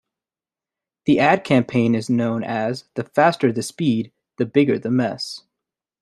The ad campaign is known as The Faster the Speed, the Bigger the Mess.